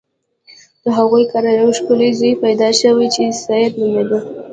د هغوی کره یو ښکلی زوی پیدا شو چې سید نومیده.